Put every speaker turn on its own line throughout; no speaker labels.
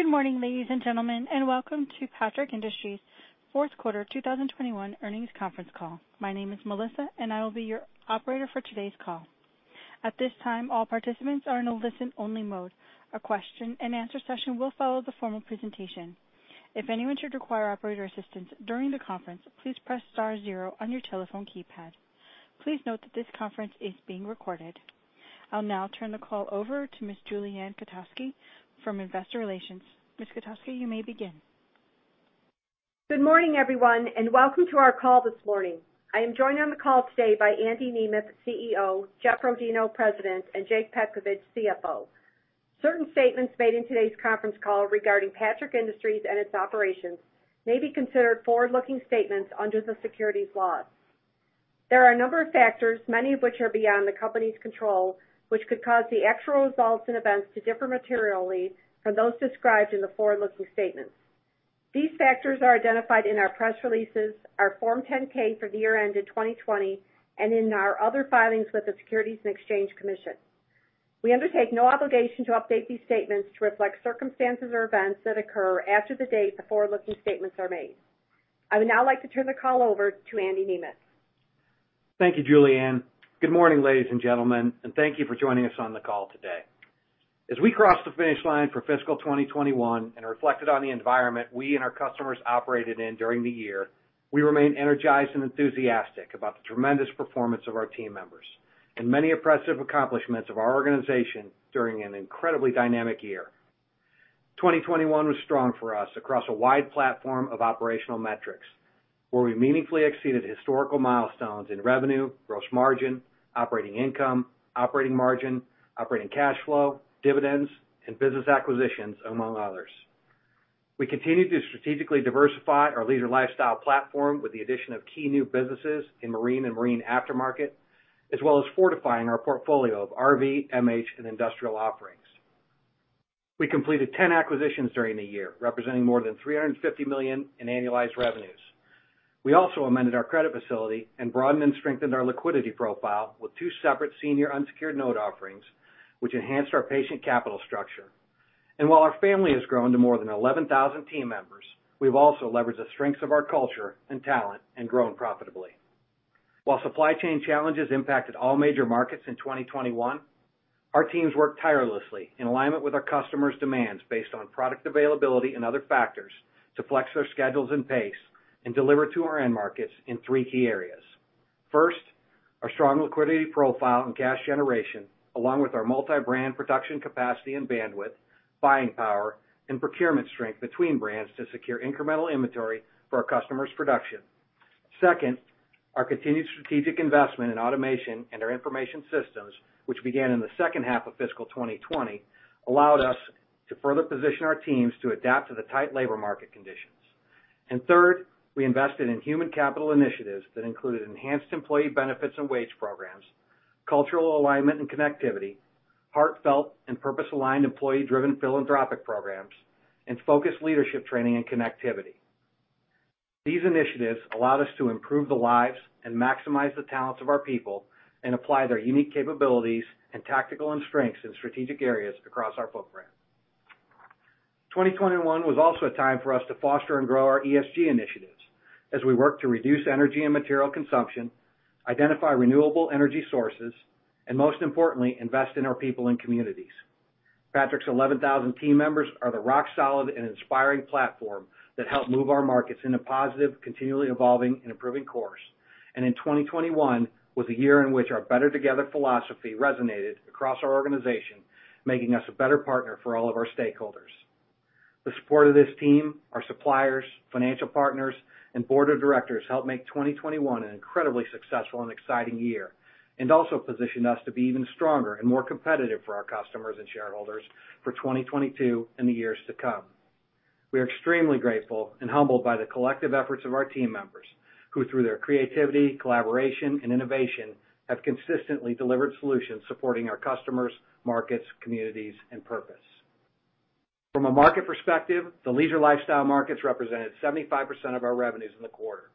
Good morning, ladies and gentlemen, and welcome to Patrick Industries' fourth quarter 2021 earnings conference call. My name is Melissa, and I will be your operator for today's call. At this time, all participants are in a listen-only mode. A question-and-answer session will follow the formal presentation. If anyone should require operator assistance during the conference, please press star zero on your telephone keypad. Please note that this conference is being recorded. I'll now turn the call over to Ms. Julie Ann Kotowski from Investor Relations. Ms. Kotowski, you may begin.
Good morning, everyone, and welcome to our call this morning. I am joined on the call today by Andy Nemeth, CEO; Jeff Rodino, President; and Jake Petkovich, CFO. Certain statements made in today's conference call regarding Patrick Industries and its operations may be considered forward-looking statements under the securities laws. There are a number of factors, many of which are beyond the company's control, which could cause the actual results and events to differ materially from those described in the forward-looking statements. These factors are identified in our press releases, our Form 10-K for the year ended 2020, and in our other filings with the Securities and Exchange Commission. We undertake no obligation to update these statements to reflect circumstances or events that occur after the date the forward-looking statements are made. I would now like to turn the call over to Andy Nemeth.
Thank you, Julie Ann. Good morning, ladies and gentlemen, and thank you for joining us on the call today. As we cross the finish line for fiscal 2021 and reflected on the environment we and our customers operated in during the year, we remain energized and enthusiastic about the tremendous performance of our team members and many impressive accomplishments of our organization during an incredibly dynamic year. 2021 was strong for us across a wide platform of operational metrics, where we meaningfully exceeded historical milestones in revenue, gross margin, operating income, operating margin, operating cash flow, dividends, and business acquisitions, among others. We continued to strategically diversify our leisure lifestyle platform with the addition of key new businesses in marine and marine aftermarket, as well as fortifying our portfolio of RV, MH, and industrial offerings. We completed 10 acquisitions during the year, representing more than $350 million in annualized revenues. We also amended our credit facility and broadened and strengthened our liquidity profile with two separate senior unsecured note offerings, which enhanced our patient capital structure. While our family has grown to more than 11,000 team members, we've also leveraged the strengths of our culture and talent and grown profitably. While supply chain challenges impacted all major markets in 2021, our teams worked tirelessly in alignment with our customers' demands based on product availability and other factors to flex their schedules and pace and deliver to our end markets in three key areas. First, our strong liquidity profile and cash generation, along with our multi-brand production capacity and bandwidth, buying power, and procurement strength between brands to secure incremental inventory for our customers' production. Second, our continued strategic investment in automation and our information systems, which began in the second half of fiscal 2020, allowed us to further position our teams to adapt to the tight labor market conditions. Third, we invested in human capital initiatives that included enhanced employee benefits and wage programs, cultural alignment and connectivity, heartfelt and purpose-aligned employee-driven philanthropic programs, and focused leadership training and connectivity. These initiatives allowed us to improve the lives and maximize the talents of our people and apply their unique capabilities and tactical and strengths in strategic areas across our footprint. 2021 was also a time for us to foster and grow our ESG initiatives as we work to reduce energy and material consumption, identify renewable energy sources, and most importantly, invest in our people and communities. Patrick's 11,000 team members are the rock-solid and inspiring platform that help move our markets in a positive, continually evolving and improving course, and in 2021 was a year in which our Better Together philosophy resonated across our organization, making us a better partner for all of our stakeholders. The support of this team, our suppliers, financial partners, and Board of Directors helped make 2021 an incredibly successful and exciting year, and also positioned us to be even stronger and more competitive for our customers and shareholders for 2022 and the years to come. We are extremely grateful and humbled by the collective efforts of our team members, who through their creativity, collaboration, and innovation, have consistently delivered solutions supporting our customers, markets, communities, and purpose. From a market perspective, the leisure lifestyle markets represented 75% of our revenues in the quarter.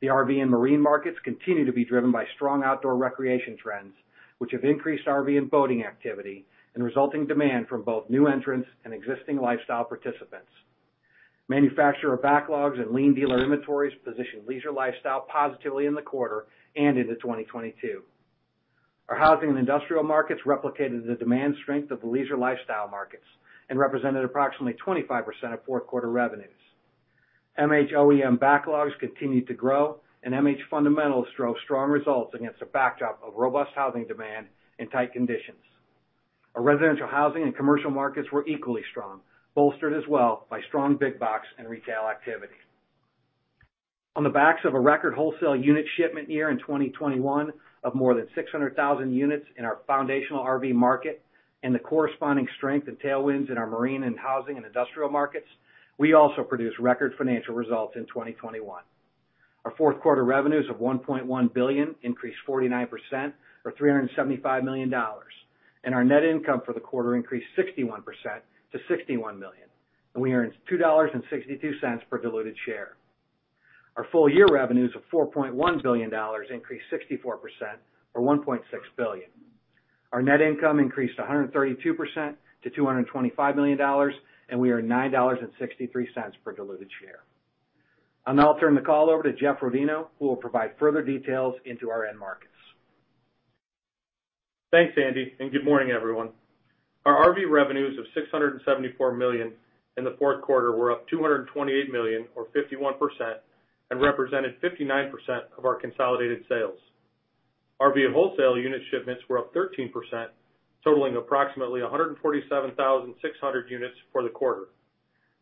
The RV and marine markets continue to be driven by strong outdoor recreation trends, which have increased RV and boating activity and resulting demand from both new entrants and existing lifestyle participants. Manufacturer backlogs and lean dealer inventories positioned leisure lifestyle positively in the quarter and into 2022. Our housing and industrial markets replicated the demand strength of the leisure lifestyle markets and represented approximately 25% of fourth quarter revenues. MH OEM backlogs continued to grow, and MH fundamentals drove strong results against a backdrop of robust housing demand and tight conditions. Our residential housing and commercial markets were equally strong, bolstered as well by strong big box and retail activity. On the backs of a record wholesale unit shipment year in 2021 of more than 600,000 units in our foundational RV market and the corresponding strength and tailwinds in our marine and housing and industrial markets, we also produced record financial results in 2021. Our fourth quarter revenues of $1.1 billion increased 49% or $375 million, and our net income for the quarter increased 61% to $61 million, and we earned $2.62 per diluted share. Our full year revenues of $4.1 billion increased 64% or $1.6 billion. Our net income increased 132% to $225 million, and we are $9.63 per diluted share. I'll now turn the call over to Jeff Rodino, who will provide further details into our end markets.
Thanks, Andy, and good morning, everyone. Our RV revenues of $674 million in the fourth quarter were up $228 million or 51% and represented 59% of our consolidated sales. RV wholesale unit shipments were up 13%, totaling approximately 147,600 units for the quarter.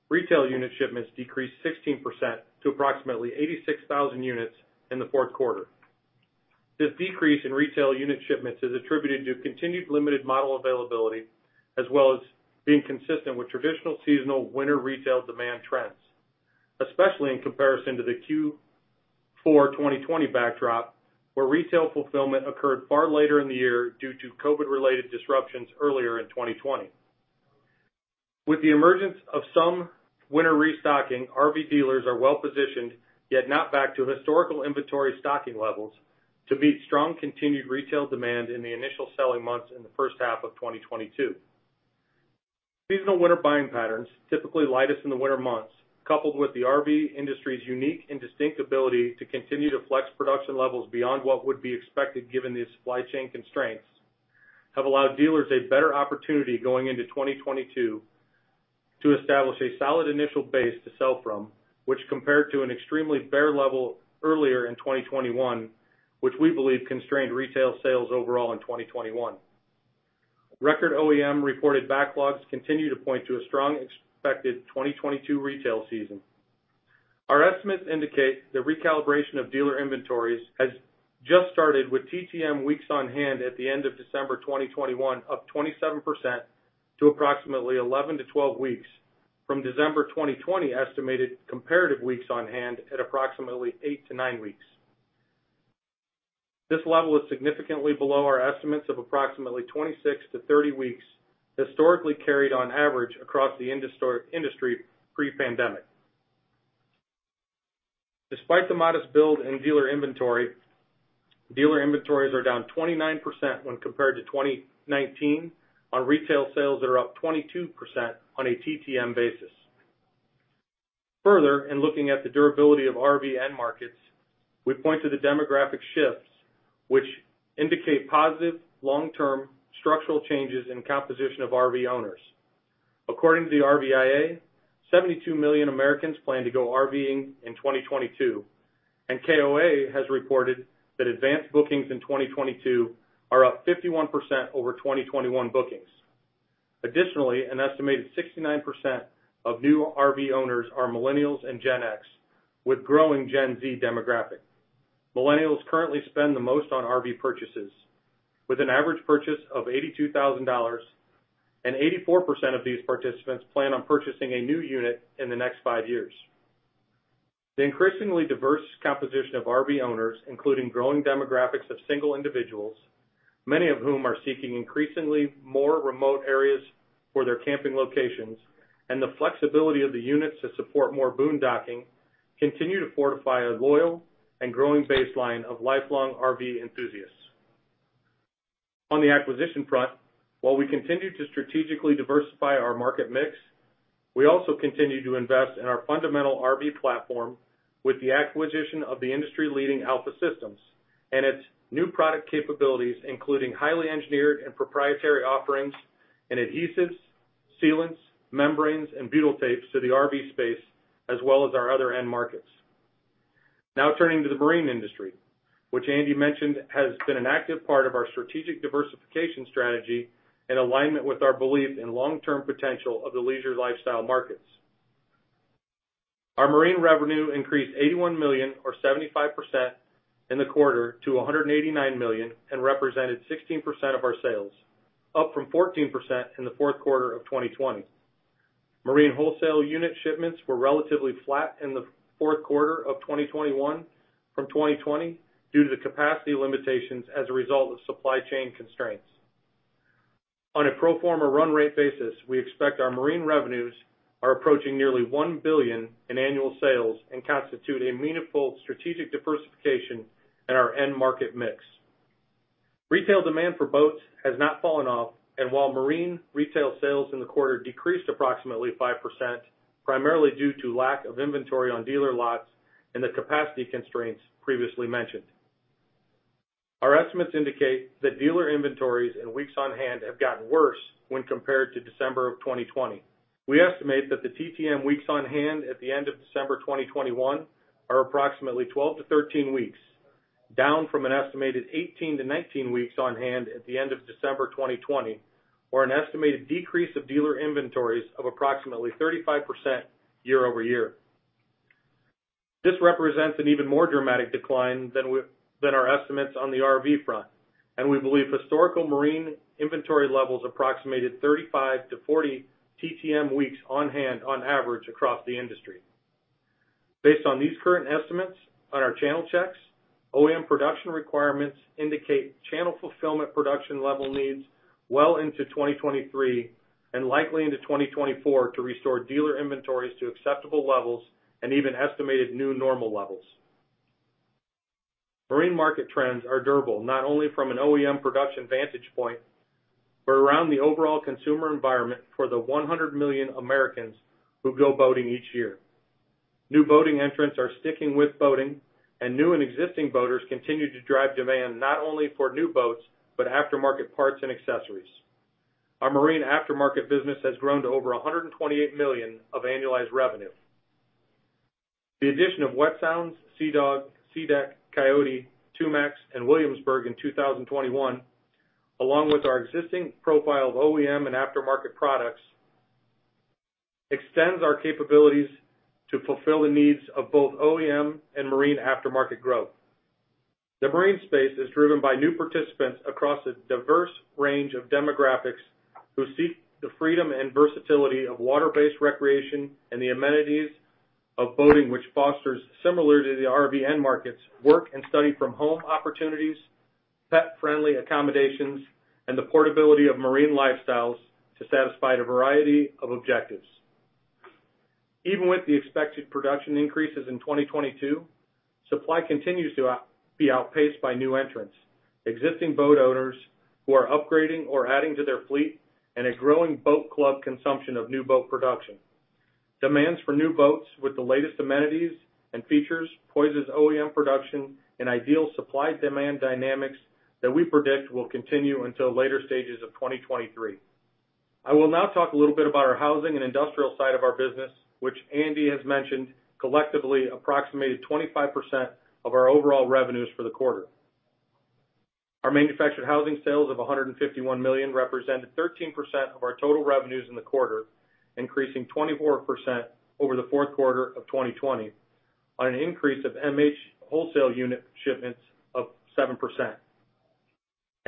Retail unit shipments decreased 16% to approximately 86,000 units in the fourth quarter. This decrease in retail unit shipments is attributed to continued limited model availability, as well as being consistent with traditional seasonal winter retail demand trends, especially in comparison to the Q4 2020 backdrop, where retail fulfillment occurred far later in the year due to COVID-related disruptions earlier in 2020. With the emergence of some winter restocking, RV dealers are well-positioned, yet not back to historical inventory stocking levels to beat strong continued retail demand in the initial selling months in the first half of 2022. Seasonal winter buying patterns, typically lightest in the winter months, coupled with the RV industry's unique and distinct ability to continue to flex production levels beyond what would be expected given the supply chain constraints, have allowed dealers a better opportunity going into 2022 to establish a solid initial base to sell from, which compared to an extremely bare level earlier in 2021, which we believe constrained retail sales overall in 2021. Record OEM-reported backlogs continue to point to a strong expected 2022 retail season. Our estimates indicate the recalibration of dealer inventories has just started with TTM weeks on hand at the end of December 2021, up 27% to approximately 11-12 weeks from December 2020 estimated comparative weeks on hand at approximately eight to nine weeks. This level is significantly below our estimates of approximately 26-30 weeks historically carried on average across the industry pre-pandemic. Despite the modest build in dealer inventory, dealer inventories are down 29% when compared to 2019 on retail sales that are up 22% on a TTM basis. Further, in looking at the durability of RV end markets, we point to the demographic shifts which indicate positive long-term structural changes in composition of RV owners. According to the RVIA, 72 million Americans plan to go RVing in 2022, and KOA has reported that advanced bookings in 2022 are up 51% over 2021 bookings. Additionally, an estimated 69% of new RV owners are Millennials and Gen X, with growing Gen Z demographic. Millennials currently spend the most on RV purchases with an average purchase of $82,000, and 84% of these participants plan on purchasing a new unit in the next five years. The increasingly diverse composition of RV owners, including growing demographics of single individuals, many of whom are seeking increasingly more remote areas for their camping locations, and the flexibility of the units to support more boondocking, continue to fortify a loyal and growing baseline of lifelong RV enthusiasts. On the acquisition front, while we continue to strategically diversify our market mix, we also continue to invest in our fundamental RV platform with the acquisition of the industry-leading Alpha Systems and its new product capabilities, including highly engineered and proprietary offerings in adhesives, sealants, membranes, and butyl tapes to the RV space as well as our other end markets. Now, turning to the marine industry, which Andy mentioned has been an active part of our strategic diversification strategy in alignment with our belief in long-term potential of the leisure lifestyle markets. Our marine revenue increased $81 million or 75% in the quarter to $189 million and represented 16% of our sales, up from 14% in the fourth quarter of 2020. Marine wholesale unit shipments were relatively flat in the fourth quarter of 2021 from 2020 due to the capacity limitations as a result of supply chain constraints. On a pro forma run rate basis, we expect our marine revenues are approaching nearly $1 billion in annual sales and constitute a meaningful strategic diversification in our end market mix. Retail demand for boats has not fallen off, and while marine retail sales in the quarter decreased approximately 5%, primarily due to lack of inventory on dealer lots and the capacity constraints previously mentioned. Our estimates indicate that dealer inventories and weeks on hand have gotten worse when compared to December of 2020. We estimate that the TTM weeks on hand at the end of December 2021 are approximately 12-13 weeks, down from an estimated 18-19 weeks on hand at the end of December 2020, or an estimated decrease of dealer inventories of approximately 35% year-over-year. This represents an even more dramatic decline than our estimates on the RV front, and we believe historical marine inventory levels approximated 35-40 TTM weeks on hand on average across the industry. Based on these current estimates, on our channel checks, OEM production requirements indicate channel fulfillment production level needs well into 2023, and likely into 2024 to restore dealer inventories to acceptable levels and even estimated new normal levels. Marine market trends are durable, not only from an OEM production vantage point, but around the overall consumer environment for the 100 million Americans who go boating each year. New boating entrants are sticking with boating, and new and existing boaters continue to drive demand, not only for new boats, but aftermarket parts and accessories. Our marine aftermarket business has grown to over $128 million of annualized revenue. The addition of Wet Sounds, Sea-Dog, SeaDek, Coyote, TACO, and Williamsburg in 2021, along with our existing profile of OEM and aftermarket products, extends our capabilities to fulfill the needs of both OEM and marine aftermarket growth. The marine space is driven by new participants across a diverse range of demographics who seek the freedom and versatility of water-based recreation and the amenities of boating, which fosters, similar to the RV end markets, work and study from home opportunities, pet-friendly accommodations, and the portability of marine lifestyles to satisfy a variety of objectives. Even with the expected production increases in 2022, supply continues to be outpaced by new entrants, existing boat owners who are upgrading or adding to their fleet, and a growing boat club consumption of new boat production. Demands for new boats with the latest amenities and features poises OEM production in ideal supply-demand dynamics that we predict will continue until later stages of 2023. I will now talk a little bit about our housing and industrial side of our business, which Andy has mentioned collectively approximated 25% of our overall revenues for the quarter. Our manufactured housing sales of $151 million represented 13% of our total revenues in the quarter, increasing 24% over the fourth quarter of 2020, on an increase of MH wholesale unit shipments of 7%.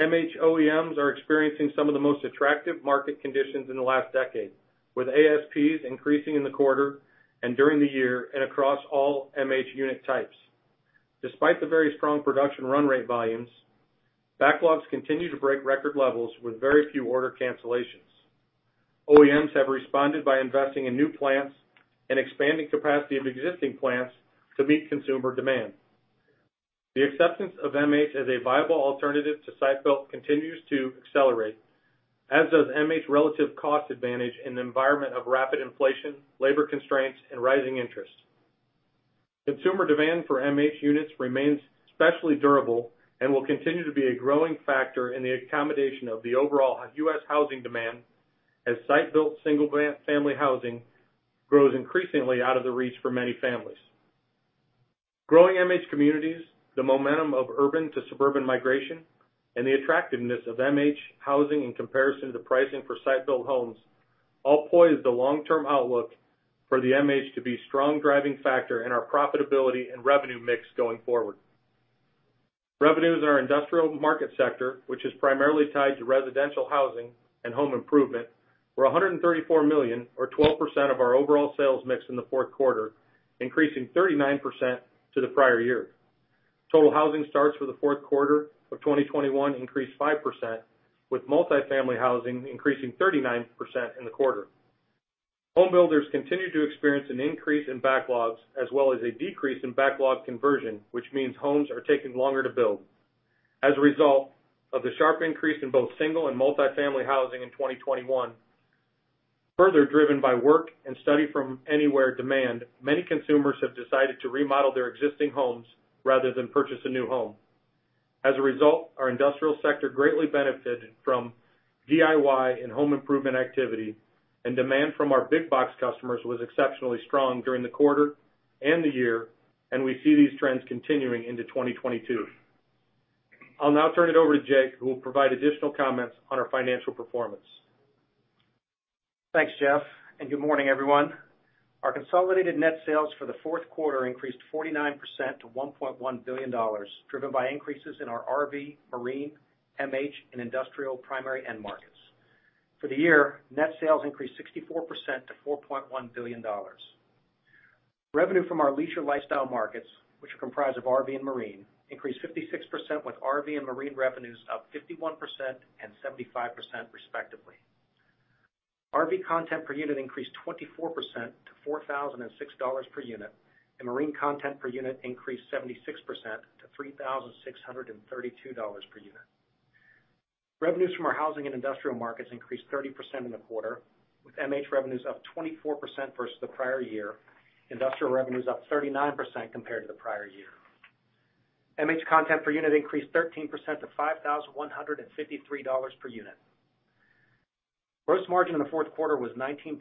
MH OEMs are experiencing some of the most attractive market conditions in the last decade, with ASPs increasing in the quarter and during the year and across all MH unit types. Despite the very strong production run rate volumes, backlogs continue to break record levels with very few order cancellations. OEMs have responded by investing in new plants and expanding capacity of existing plants to meet consumer demand. The acceptance of MH as a viable alternative to site-built continues to accelerate, as does MH relative cost advantage in the environment of rapid inflation, labor constraints, and rising interest. Consumer demand for MH units remains especially durable and will continue to be a growing factor in the accommodation of the overall U.S. housing demand as site-built single family housing grows increasingly out of the reach for many families. Growing MH communities, the momentum of urban to suburban migration, and the attractiveness of MH housing in comparison to pricing for site-built homes all poise the long-term outlook for the MH to be a strong driving factor in our profitability and revenue mix going forward. Revenues in our industrial market sector, which is primarily tied to residential housing and home improvement, were $134 million or 12% of our overall sales mix in the fourth quarter, increasing 39% to the prior year. Total housing starts for the fourth quarter of 2021 increased 5%, with multifamily housing increasing 39% in the quarter. Home builders continue to experience an increase in backlogs as well as a decrease in backlog conversion, which means homes are taking longer to build. As a result of the sharp increase in both single and multifamily housing in 2021, further driven by work and study from anywhere demand, many consumers have decided to remodel their existing homes rather than purchase a new home. As a result, our industrial sector greatly benefited from DIY and home improvement activity, and demand from our big box customers was exceptionally strong during the quarter and the year, and we see these trends continuing into 2022. I'll now turn it over to Jake, who will provide additional comments on our financial performance.
Thanks, Jeff, and good morning, everyone. Our consolidated net sales for the fourth quarter increased 49% to $1.1 billion, driven by increases in our RV, marine, MH, and industrial primary end markets. For the year, net sales increased 64% to $4.1 billion. Revenue from our leisure lifestyle markets, which are comprised of RV and marine, increased 56% with RV and marine revenues up 51% and 75% respectively. RV content per unit increased 24% to $4,006 per unit, and marine content per unit increased 76% to $3,632 per unit. Revenues from our housing and industrial markets increased 30% in the quarter, with MH revenues up 24% versus the prior year, industrial revenues up 39% compared to the prior year. MH content per unit increased 13% to $5,153 per unit. Gross margin in the fourth quarter was 19.8%,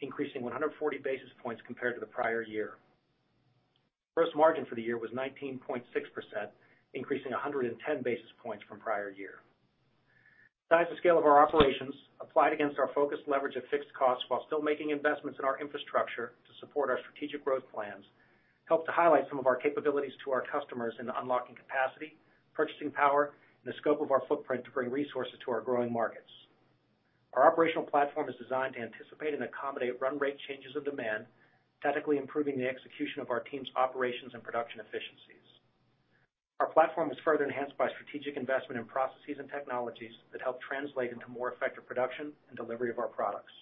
increasing 140 basis points compared to the prior year. Gross margin for the year was 19.6%, increasing 110 basis points from prior year. Size and scale of our operations applied against our focused leverage of fixed costs while still making investments in our infrastructure to support our strategic growth plans, help to highlight some of our capabilities to our customers in unlocking capacity, purchasing power, and the scope of our footprint to bring resources to our growing markets. Our operational platform is designed to anticipate and accommodate run rate changes of demand, technically improving the execution of our team's operations and production efficiencies. Our platform is further enhanced by strategic investment in processes and technologies that help translate into more effective production and delivery of our products.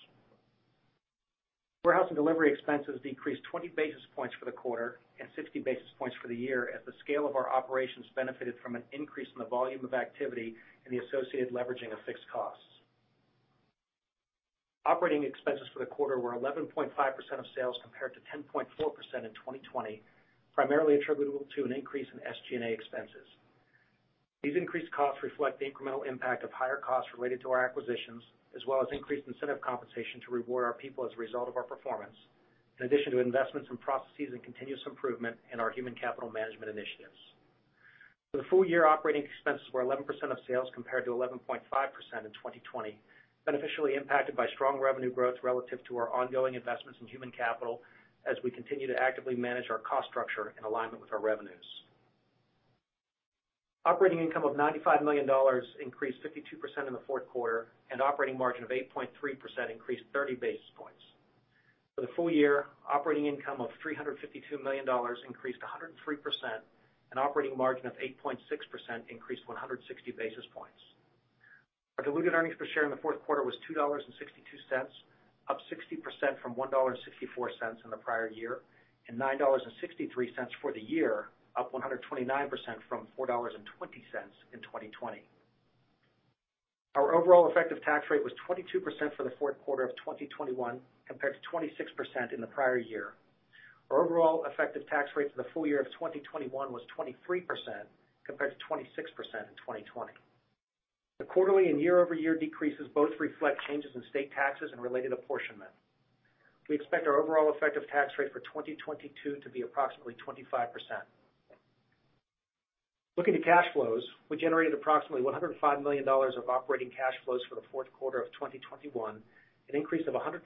Warehouse and delivery expenses decreased 20 basis points for the quarter and 60 basis points for the year as the scale of our operations benefited from an increase in the volume of activity and the associated leveraging of fixed costs. Operating expenses for the quarter were 11.5% of sales compared to 10.4% in 2020, primarily attributable to an increase in SG&A expenses. These increased costs reflect the incremental impact of higher costs related to our acquisitions, as well as increased incentive compensation to reward our people as a result of our performance, in addition to investments in processes and continuous improvement in our human capital management initiatives. For the full year, operating expenses were 11% of sales compared to 11.5% in 2020, beneficially impacted by strong revenue growth relative to our ongoing investments in human capital as we continue to actively manage our cost structure in alignment with our revenues. Operating income of $95 million increased 52% in the fourth quarter and operating margin of 8.3% increased 30 basis points. For the full year, operating income of $352 million increased 103% and operating margin of 8.6% increased 160 basis points. Our diluted earnings per share in the fourth quarter was $2.62, up 60% from $1.64 in the prior year, and $9.63 for the year, up 129% from $4.20 in 2020. Our overall effective tax rate was 22% for the fourth quarter of 2021 compared to 26% in the prior year. Our overall effective tax rate for the full year of 2021 was 23% compared to 26% in 2020. The quarterly and year-over-year decreases both reflect changes in state taxes and related apportionment. We expect our overall effective tax rate for 2022 to be approximately 25%. Looking to cash flows, we generated approximately $105 million of operating cash flows for the fourth quarter of 2021, an increase of 121%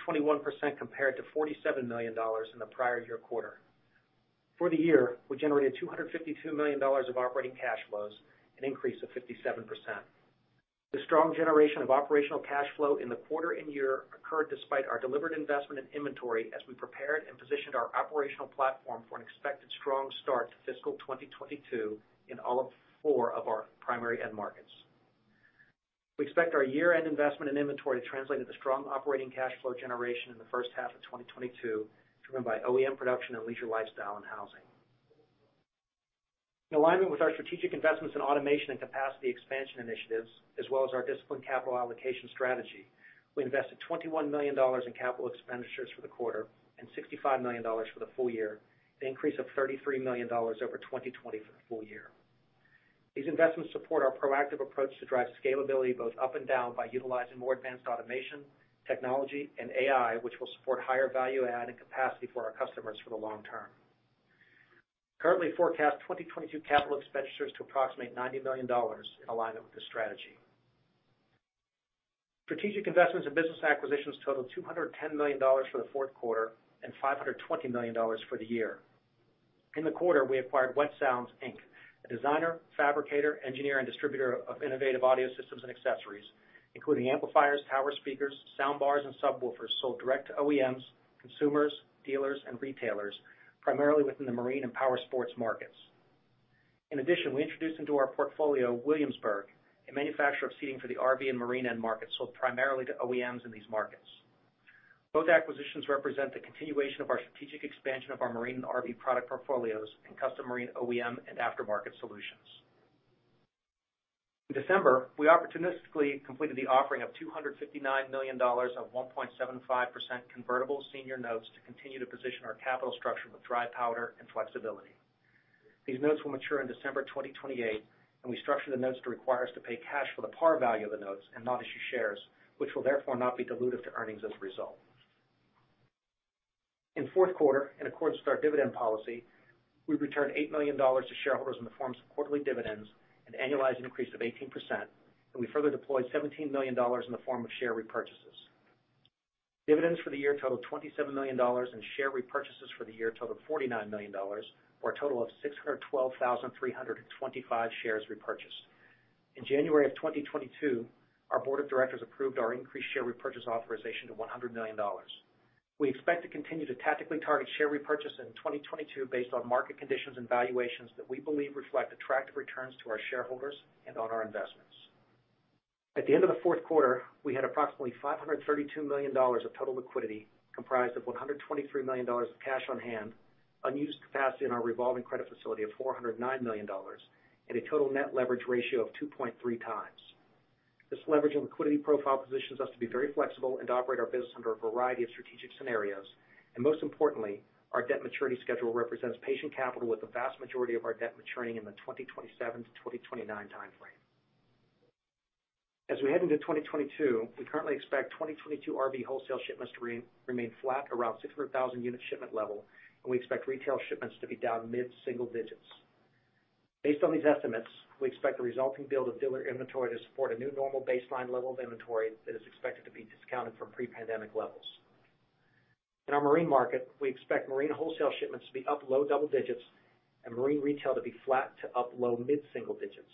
compared to $47 million in the prior year quarter. For the year, we generated $252 million of operating cash flows, an increase of 57%. The strong generation of operational cash flow in the quarter and year occurred despite our deliberate investment in inventory as we prepared and positioned our operational platform for an expected strong start to fiscal 2022 in all four of our primary end markets. We expect our year-end investment in inventory to translate into strong operating cash flow generation in the first half of 2022, driven by OEM production and leisure lifestyle and housing. In alignment with our strategic investments in automation and capacity expansion initiatives, as well as our disciplined capital allocation strategy, we invested $21 million in capital expenditures for the quarter and $65 million for the full year, the increase of $33 million over 2020 for the full year. These investments support our proactive approach to drive scalability both up and down by utilizing more advanced automation, technology, and AI, which will support higher value add and capacity for our customers for the long term. We currently forecast 2022 capital expenditures to approximate $90 million in alignment with this strategy. Strategic investments and business acquisitions totaled $210 million for the fourth quarter and $520 million for the year. In the quarter, we acquired Wet Sounds, Inc., a designer, fabricator, engineer, and distributor of innovative audio systems and accessories, including amplifiers, tower speakers, sound bars, and subwoofers sold direct to OEMs, consumers, dealers, and retailers, primarily within the marine and power sports markets. In addition, we introduced into our portfolio Williamsburg, a manufacturer of seating for the RV and marine end market sold primarily to OEMs in these markets. Both acquisitions represent the continuation of our strategic expansion of our marine and RV product portfolios and custom marine OEM and aftermarket solutions. In December, we opportunistically completed the offering of $259 million of 1.75% convertible senior notes to continue to position our capital structure with dry powder and flexibility. These notes will mature in December 2028, and we structure the notes to require us to pay cash for the par value of the notes and not issue shares, which will therefore not be dilutive to earnings as a result. In fourth quarter, in accordance with our dividend policy, we returned $8 million to shareholders in the forms of quarterly dividends, an annualized increase of 18%, and we further deployed $17 million in the form of share repurchases. Dividends for the year totaled $27 million, and share repurchases for the year totaled $49 million, or a total of 612,325 shares repurchased. In January 2022, our Board of Directors approved our increased share repurchase authorization to $100 million. We expect to continue to tactically target share repurchase in 2022 based on market conditions and valuations that we believe reflect attractive returns to our shareholders and on our investments. At the end of the fourth quarter, we had approximately $532 million of total liquidity, comprised of $123 million of cash on hand, unused capacity in our revolving credit facility of $409 million, and a total net leverage ratio of 2.3 times. This leverage and liquidity profile positions us to be very flexible and operate our business under a variety of strategic scenarios. Most importantly, our debt maturity schedule represents patient capital with the vast majority of our debt maturing in the 2027-2029 time frame. As we head into 2022, we currently expect 2022 RV wholesale shipments to remain flat around 600,000 unit shipment level, and we expect retail shipments to be down mid-single digits%. Based on these estimates, we expect the resulting build of dealer inventory to support a new normal baseline level of inventory that is expected to be discounted from pre-pandemic levels. In our marine market, we expect marine wholesale shipments to be up low double digits% and marine retail to be flat to up low mid-single digits%.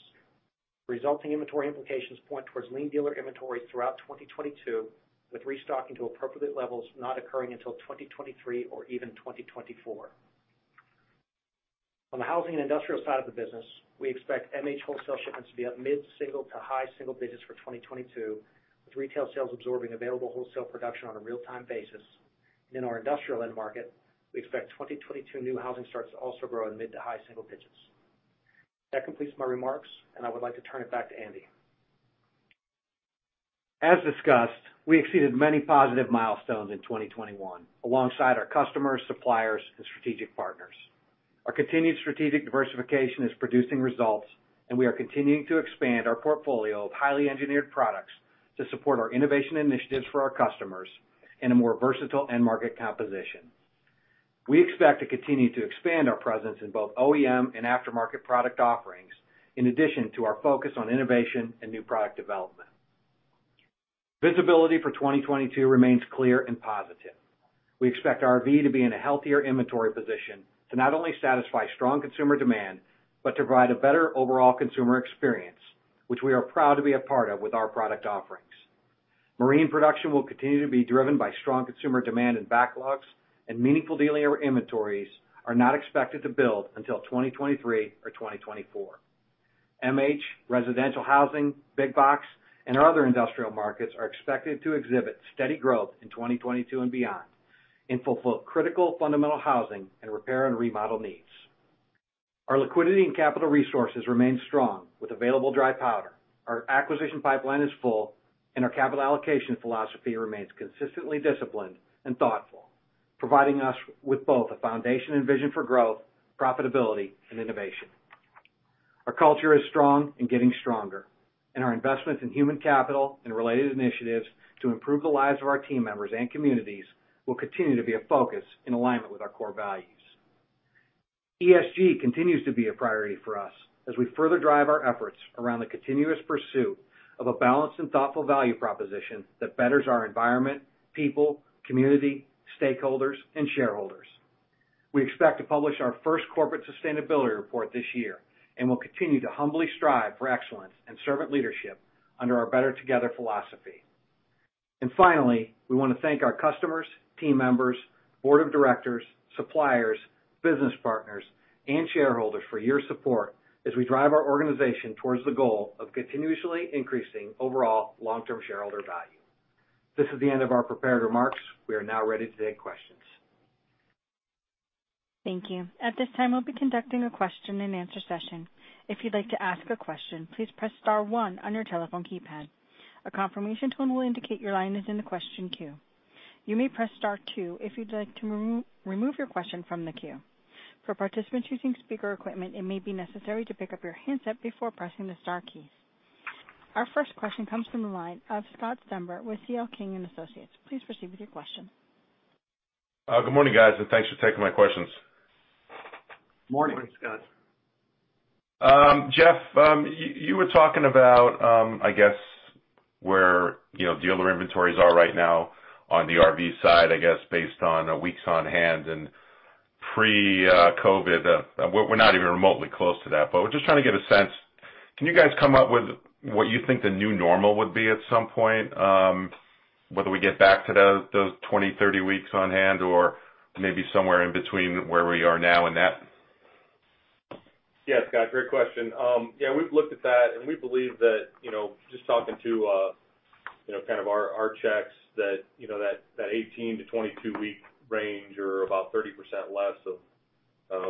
Resulting inventory implications point towards lean dealer inventories throughout 2022, with restocking to appropriate levels not occurring until 2023 or even 2024. On the housing and industrial side of the business, we expect MH wholesale shipments to be up mid-single to high single-digit for 2022, with retail sales absorbing available wholesale production on a real-time basis. In our industrial end market, we expect 2022 new housing starts to also grow in mid to high single-digit. That completes my remarks, and I would like to turn it back to Andy.
As discussed, we exceeded many positive milestones in 2021 alongside our customers, suppliers, and strategic partners. Our continued strategic diversification is producing results, and we are continuing to expand our portfolio of highly engineered products to support our innovation initiatives for our customers in a more versatile end market composition. We expect to continue to expand our presence in both OEM and aftermarket product offerings, in addition to our focus on innovation and new product development. Visibility for 2022 remains clear and positive. We expect RV to be in a healthier inventory position to not only satisfy strong consumer demand, but to provide a better overall consumer experience, which we are proud to be a part of with our product offerings. Marine production will continue to be driven by strong consumer demand and backlogs, and meaningful dealer inventories are not expected to build until 2023 or 2024. MH, residential housing, big box, and our other industrial markets are expected to exhibit steady growth in 2022 and beyond and fulfill critical fundamental housing and repair and remodel needs. Our liquidity and capital resources remain strong with available dry powder. Our acquisition pipeline is full, and our capital allocation philosophy remains consistently disciplined and thoughtful, providing us with both a foundation and vision for growth, profitability, and innovation. Our culture is strong and getting stronger, and our investments in human capital and related initiatives to improve the lives of our team members and communities will continue to be a focus in alignment with our core values. ESG continues to be a priority for us as we further drive our efforts around the continuous pursuit of a balanced and thoughtful value proposition that betters our environment, people, community, stakeholders, and shareholders. We expect to publish our first corporate sustainability report this year and will continue to humbly strive for excellence and servant leadership under our BETTER Together philosophy. Finally, we wanna thank our customers, team members, Board of Directors, suppliers, business partners, and shareholders for your support as we drive our organization towards the goal of continuously increasing overall long-term shareholder value. This is the end of our prepared remarks. We are now ready to take questions.
Thank you. At this time, we'll be conducting a question and answer session. If you'd like to ask a question, please press star one on your telephone keypad. A confirmation tone will indicate your line is in the question queue. You may press star two if you'd like to remove your question from the queue. For participants using speaker equipment, it may be necessary to pick up your handset before pressing the star keys. Our first question comes from the line of Scott Stember with CL King & Associates. Please proceed with your question.
Good morning, guys, and thanks for taking my questions.
Morning.
Morning, Scott.
Jeff, you were talking about, I guess where, you know, dealer inventories are right now on the RV side, I guess based on weeks on hand and pre-COVID. We're not even remotely close to that, but we're just trying to get a sense. Can you guys come up with what you think the new normal would be at some point, whether we get back to those 20, 30 weeks on hand or maybe somewhere in between where we are now and that?
Yeah, Scott, great question. Yeah, we've looked at that, and we believe that, you know, just talking to you know kind of our checks that you know that 18-22 week range or about 30% less,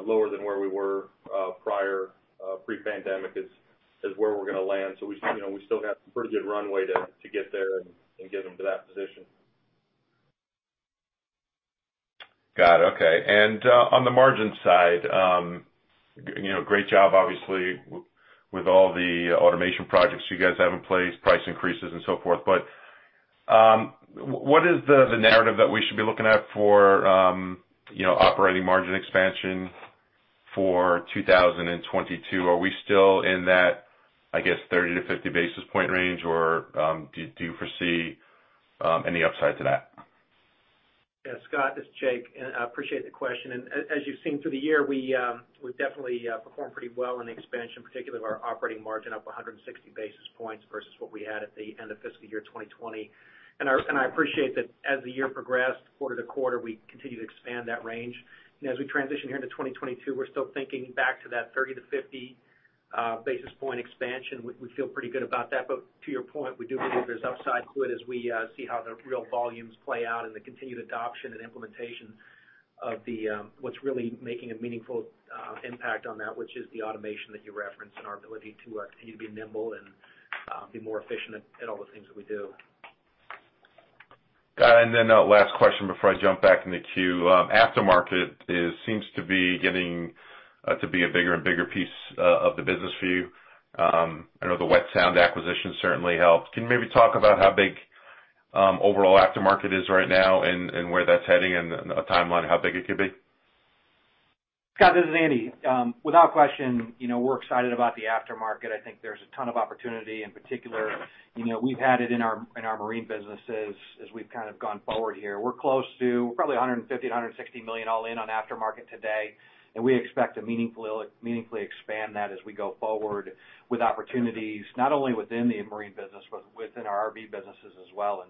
lower than where we were prior pre-pandemic is where we're gonna land. So you know we still got some pretty good runway to get there and get them to that position.
Got it. Okay. On the margin side, you know, great job obviously with all the automation projects you guys have in place, price increases and so forth. What is the narrative that we should be looking at for, you know, operating margin expansion for 2022? Are we still in that, I guess, 30-50 basis point range, or do you foresee any upside to that?
Yeah, Scott, this is Jake, and I appreciate the question. As you've seen through the year, we've definitely performed pretty well in the expansion, particularly of our operating margin up 160 basis points versus what we had at the end of fiscal year 2020. I appreciate that as the year progressed quarter to quarter, we continued to expand that range. As we transition here into 2022, we're still thinking back to that 30-50 basis point expansion. We feel pretty good about that. To your point, we do believe there's upside to it as we see how the real volumes play out and the continued adoption and implementation of what's really making a meaningful impact on that, which is the automation that you referenced and our ability to continue to be nimble and be more efficient at all the things that we do.
Got it. Last question before I jump back in the queue. Aftermarket seems to be getting to be a bigger and bigger piece of the business for you. I know the Wet Sounds acquisition certainly helped. Can you maybe talk about how big overall aftermarket is right now and where that's heading and a timeline of how big it could be?
Scott, this is Andy. Without question, you know, we're excited about the aftermarket. I think there's a ton of opportunity in particular. You know, we've had it in our, in our marine businesses as we've kind of gone forward here. We're close to probably $150 million-$160 million all in on aftermarket today, and we expect to meaningfully expand that as we go forward with opportunities, not only within the marine business, but within our RV businesses as well.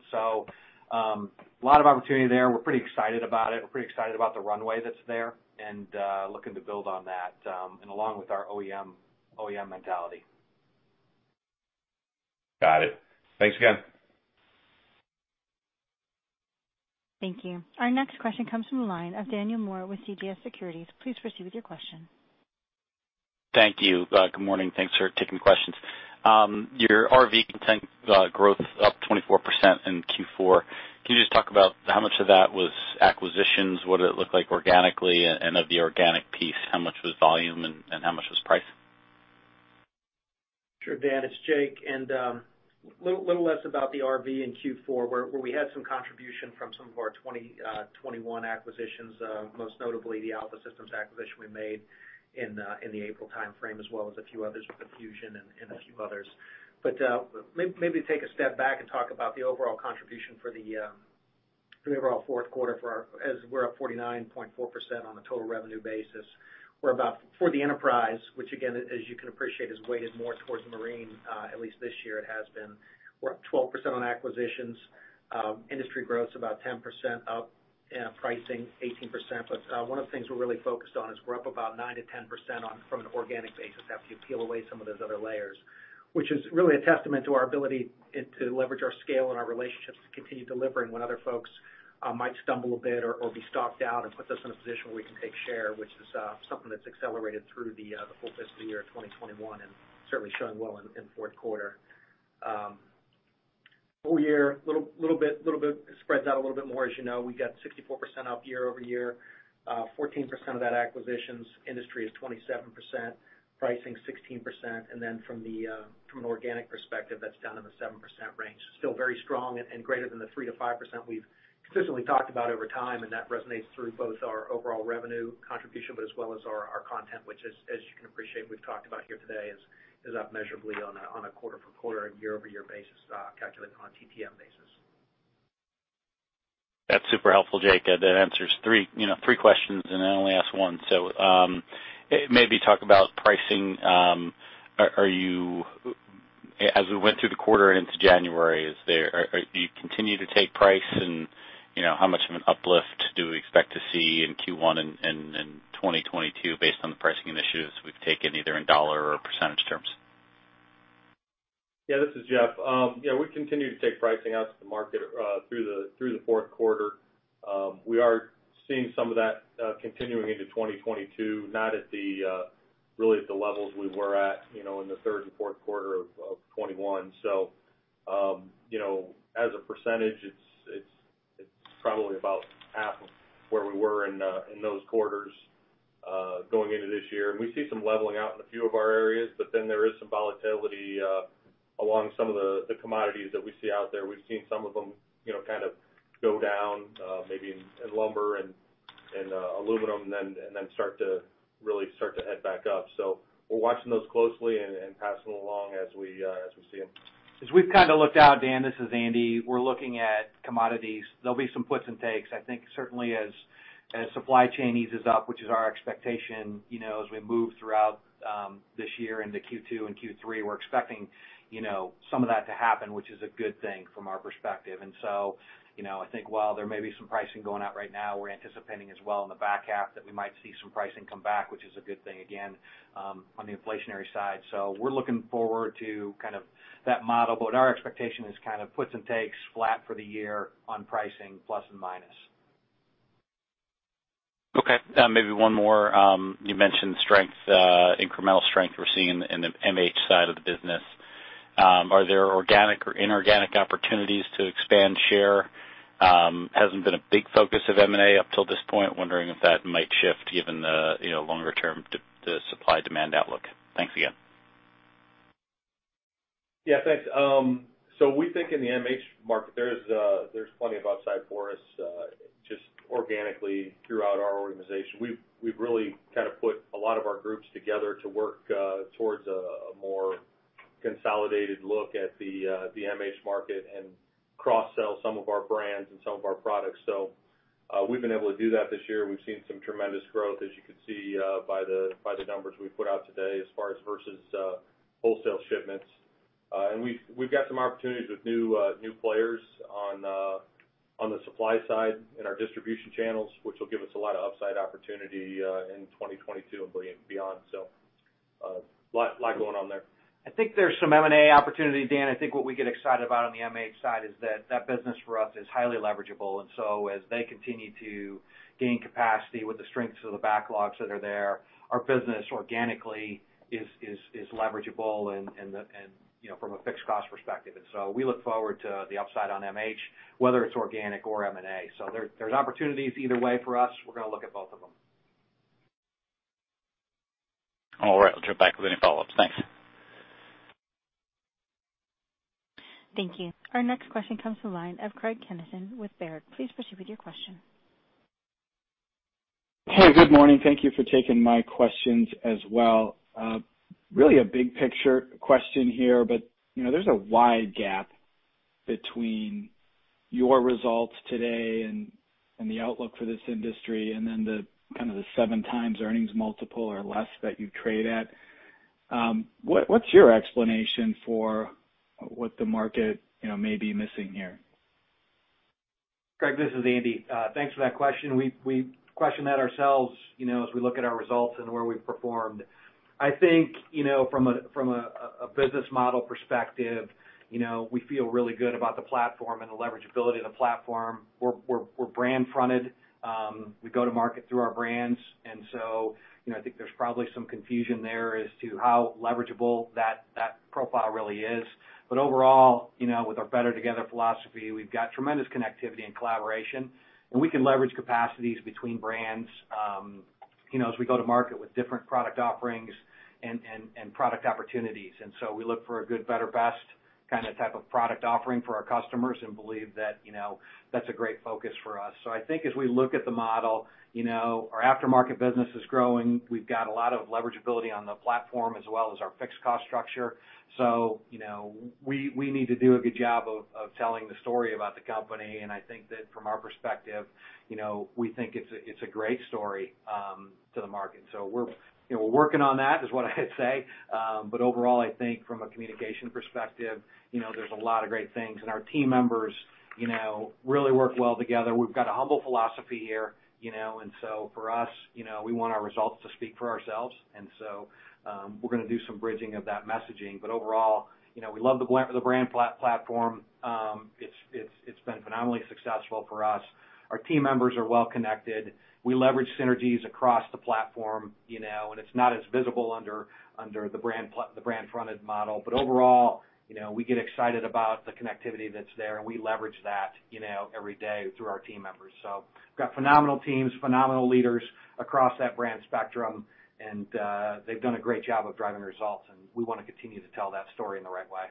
A lot of opportunity there. We're pretty excited about it. We're pretty excited about the runway that's there and looking to build on that, and along with our OEM mentality.
Got it. Thanks again.
Thank you. Our next question comes from the line of Daniel Moore with CJS Securities. Please proceed with your question.
Thank you. Good morning, thanks for taking questions. Your RV content growth up 24% in Q4. Can you just talk about how much of that was acquisitions, what did it look like organically, and of the organic piece, how much was volume and how much was price?
Sure, Dan, it's Jake. A little less about the RV in Q4, where we had some contribution from some of our 2021 acquisitions, most notably the Alpha Systems acquisition we made in the April timeframe, as well as a few others with Infusion and a few others. Maybe take a step back and talk about the overall contribution for the overall fourth quarter as we're up 49.4% on a total revenue basis. For the enterprise, which again, as you can appreciate, is weighted more towards marine, at least this year it has been. We're up 12% on acquisitions. Industry growth's about 10% up, and pricing 18%. One of the things we're really focused on is we're up about 9%-10% from an organic basis after you peel away some of those other layers, which is really a testament to our ability to leverage our scale and our relationships to continue delivering when other folks might stumble a bit or be stocked out and puts us in a position where we can take share, which is something that's accelerated through the full fiscal year of 2021 and certainly showing well in fourth quarter. Full year little bit spreads out a little bit more. As you know, we got 64% up year-over-year. 14% of that acquisitions. Industry is 27%. Pricing 16%. From an organic perspective, that's down in the 7% range. Still very strong and greater than the 3%-5% we've consistently talked about over time, and that resonates through both our overall revenue contribution, but as well as our content, which as you can appreciate we've talked about here today is up measurably on a quarter-for-quarter and year-over-year basis, calculated on a TTM basis.
That's super helpful, Jake. That answers three, you know, questions, and I only asked one. Maybe talk about pricing. As we went through the quarter and into January, do you continue to take price? You know, how much of an uplift do we expect to see in Q1 and in 2022 based on the pricing initiatives we've taken either in dollar or percentage terms?
This is Jeff. We continue to take pricing out to the market through the fourth quarter. We are seeing some of that continuing into 2022, not really at the levels we were at, you know, in the third and fourth quarter of 2021. So, you know as a percentage, it's probably about half of where we were in those quarters going into this year. We see some leveling out in a few of our areas, but then there is some volatility along some of the commodities that we see out there. We've seen some of them, you know, kind of go down, maybe in lumber and aluminum and then start to really head back up. We're watching those closely and passing them along as we see them.
We've kind of looked out, Dan, this is Andy, we're looking at commodities. There'll be some puts and takes. I think certainly as supply chain eases up, which is our expectation, you know, as we move throughout this year into Q2 and Q3, we're expecting, you know, some of that to happen, which is a good thing from our perspective. So you know, I think while there may be some pricing going out right now, we're anticipating as well in the back half that we might see some pricing come back, which is a good thing again on the inflationary side. We're looking forward to kind of that model. Our expectation is kind of puts and takes flat for the year on pricing plus and minus.
Okay. Maybe one more. You mentioned strength, incremental strength we're seeing in the MH side of the business. Are there organic or inorganic opportunities to expand share? Hasn't been a big focus of M&A up till this point. Wondering if that might shift given the, you know, longer-term supply-demand outlook. Thanks again.
Yeah, thanks. So we think in the MH market there's plenty of upside for us just organically throughout our organization. We've really kind of put a lot of our groups together to work towards a more consolidated look at the MH market and cross-sell some of our brands and some of our products. We've been able to do that this year. We've seen some tremendous growth, as you could see, by the numbers we put out today as far as versus wholesale shipments. We've got some opportunities with new players on the supply side in our distribution channels, which will give us a lot of upside opportunity in 2022 and beyond. Lot going on there.
I think there's some M&A opportunity, Dan. I think what we get excited about on the MH side is that that business for us is highly leverageable. So as they continue to gain capacity with the strengths of the backlogs that are there, our business organically is leverageable and, you know, from a fixed cost perspective. So we look forward to the upside on MH, whether it's organic or M&A. There's opportunities either way for us. We're gonna look at both of them.
All right. I'll check back with any follow-ups. Thanks.
Thank you. Our next question comes from the line of Craig Kennison with Baird. Please proceed with your question.
Hey, good morning. Thank you for taking my questions as well. Really a big picture question here, but, you know, there's a wide gap between your results today and the outlook for this industry, and then the kind of 7x earnings multiple or less that you trade at. What's your explanation for what the market, you know, may be missing here?
Craig, this is Andy. Thanks for that question. We question that ourselves, you know, as we look at our results and where we've performed. I think, you know, from a business model perspective, you know, we feel really good about the platform and the leverageability of the platform. We're brand fronted. We go to market through our brands. You know, I think there's probably some confusion there as to how leverageable that profile really is. But overall, you know, with our BETTER Together philosophy, we've got tremendous connectivity and collaboration, and we can leverage capacities between brands, you know, as we go to market with different product offerings and product opportunities. We look for a good, better, best kinda type of product offering for our customers and believe that, you know, that's a great focus for us. I think as we look at the model, you know, our aftermarket business is growing. We've got a lot of leverageability on the platform as well as our fixed cost structure. You know, we need to do a good job of telling the story about the company, and I think that from our perspective, you know, we think it's a great story to the market. So, we're, you know, working on that, is what I'd say. Overall, I think from a communication perspective, you know, there's a lot of great things, and our team members, you know, really work well together. We've got a humble philosophy here, you know, and so for us, you know, we want our results to speak for themselves. And so, we're gonna do some bridging of that messaging. Overall, you know, we love the brand platform. It's been phenomenally successful for us. Our team members are well connected. We leverage synergies across the platform, you know, and it's not as visible under the brand-fronted model. Overall, you know, we get excited about the connectivity that's there, and we leverage that, you know, every day through our team members. We've got phenomenal teams, phenomenal leaders across that brand spectrum, and they've done a great job of driving results, and we wanna continue to tell that story in the right way.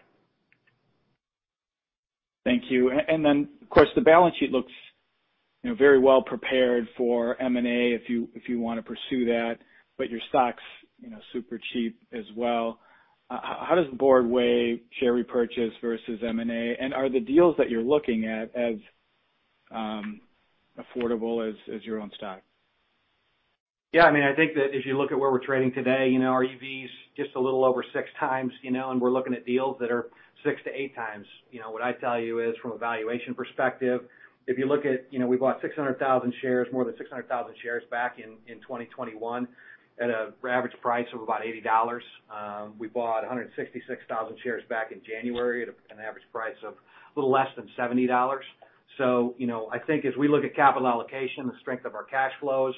Thank you. Of course, the balance sheet looks, you know, very well prepared for M&A, if you wanna pursue that, but your stock's, you know, super cheap as well. How does the board weigh share repurchase versus M&A? Are the deals that you're looking at as affordable as your own stock?
Yeah. I mean, I think that if you look at where we're trading today, you know, our EV is just a little over 6x, you know, and we're looking at deals that are 6x-8x. You know, what I'd tell you is from a valuation perspective, if you look at, you know, we bought 600,000 shares, more than 600,000 shares back in 2021 at an average price of about $80. We bought 166,000 shares back in January at an average price of a little less than $70. You know, I think as we look at capital allocation, the strength of our cash flows,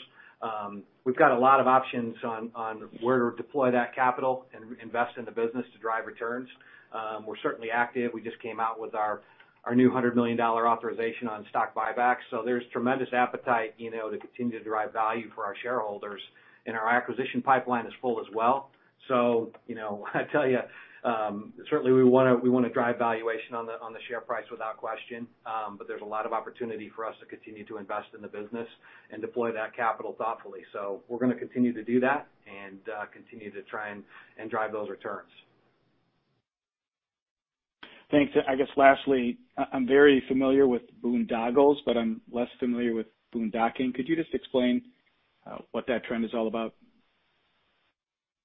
we've got a lot of options on where to deploy that capital and invest in the business to drive returns. We're certainly active. We just came out with our new $100 million authorization on stock buybacks. There's tremendous appetite, you know, to continue to drive value for our shareholders. Our acquisition pipeline is full as well. You know, I tell you, certainly we wanna drive valuation on the share price without question, but there's a lot of opportunity for us to continue to invest in the business and deploy that capital thoughtfully. We're gonna continue to do that and continue to try and drive those returns.
Thanks. I guess lastly, I'm very familiar with boondoggles, but I'm less familiar with boondocking. Could you just explain what that trend is all about?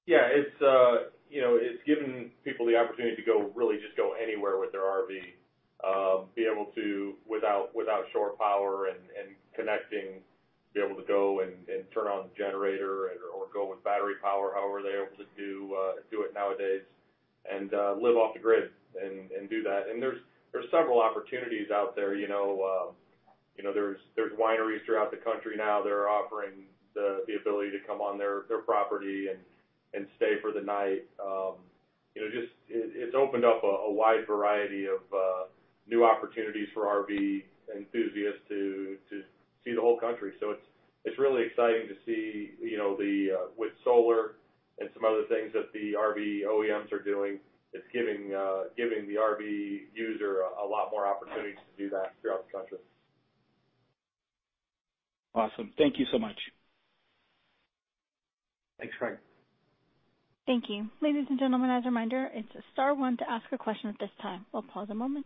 Yeah. It's, you know, it's given people the opportunity to go, really just go anywhere with their RV, be able to, without shore power and connecting, be able to go and turn on the generator and/or go with battery power, however they're able to do it nowadays, and live off the grid and do that. There's several opportunities out there, you know. You know, there's wineries throughout the country now that are offering the ability to come on their property and stay for the night. You know, just it's opened up a wide variety of new opportunities for RV enthusiasts to see the whole country. It's really exciting to see, you know, with solar and some other things that the RV OEMs are doing, it's giving the RV user a lot more opportunities to do that throughout the country.
Awesome. Thank you so much.
Thanks, Craig.
Thank you. Ladies and gentlemen, as a reminder, it's star one to ask a question at this time. We'll pause a moment.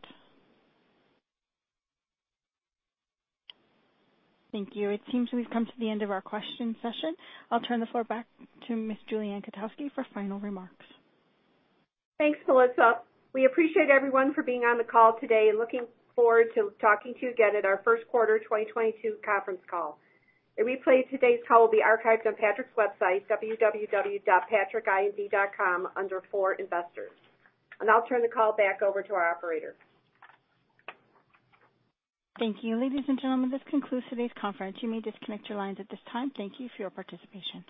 Thank you. It seems we've come to the end of our question session. I'll turn the floor back to Ms. Julie Ann Kotowski for final remarks.
Thanks, Melissa. We appreciate everyone for being on the call today and looking forward to talking to you again at our first quarter 2022 conference call. A replay of today's call will be archived on Patrick's website, www.patrickind.com, under For Investors. I'll turn the call back over to our operator.
Thank you. Ladies and gentlemen, this concludes today's conference. You may disconnect your lines at this time. Thank you for your participation.